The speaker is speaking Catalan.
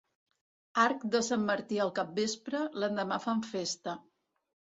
Arc de sant Martí al capvespre, l'endemà fan festa.